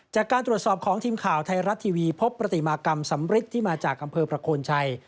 จากการตรวจสอบของทีมข่าวไทยรัฐทีวีพบปฏิมากรรมสำริทที่มาจากอำเภอประโคนชัย